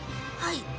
はい。